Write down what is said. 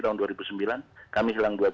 tahun dua ribu sembilan kami hilang dua puluh